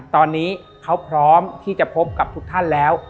ตอนนี้เขาพร้อมที่จะพบกับทุกท่านแล้ว